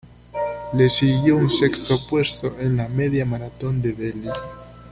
Le siguió un sexto puesto en la media maratón de Delhi.